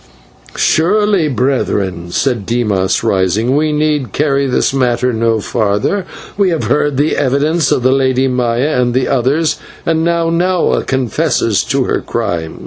"Surely, brethren," said Dimas, rising, "we need carry this matter no further. We have heard the evidence of the Lady Maya and the others, and now Nahua confesses to her crime.